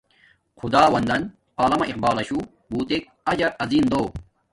خداوندان علامہ اقبال لشو بوتک اجرعظیم دو